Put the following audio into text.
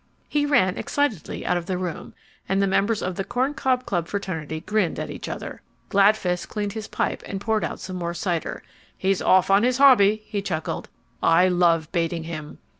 He ran excitedly out of the room, and the members of the Corn Cob fraternity grinned at each other. Gladfist cleaned his pipe and poured out some more cider. "He's off on his hobby," he chuckled. "I love baiting him."